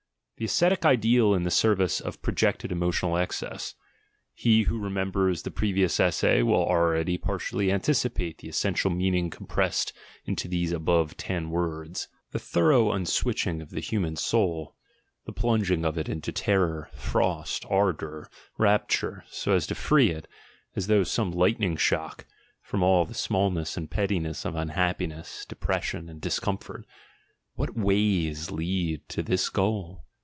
The ascetic ideal in the service of projected emotional excess: — he who remembers the previous essay will already partially anticipate the essen tial meaning compressed into these above ten words. The thorough unswitching of the human soul, the plung ing of it into terror, frost, ardour, rapture, so as to free it, as through some lightning shock, from all the small s and pettiness of unhappiness, depression, and dis comfort: what ways lead to this goal?